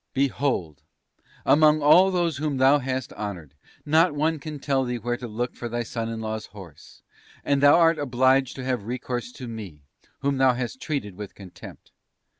Behold I among all those whom thou hast honoured not one can tell thee where to look for thy son in law's horse, and thou art obliged to have recourse to me, whom thou hast treated with contempt!